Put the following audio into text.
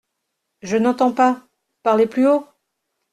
Je n’entends pas !… parlez plus haut !…